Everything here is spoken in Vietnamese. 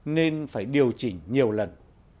nên phải điều chỉnh nhiều lần